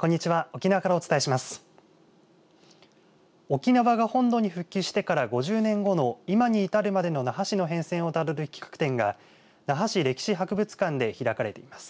沖縄が本土に復帰してから５０年後の今に至るまでの那覇市の変遷をたどる企画展が那覇市歴史博物館で開かれています。